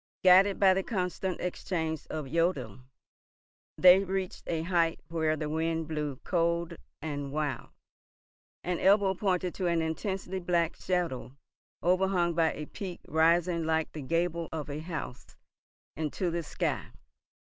Guided by the constant exchange of jodeln, they reached a height where the wind blew cold and wild, and Ebbo pointed to an intensely black shadow overhung by a peak rising like the gable of a house into the sky.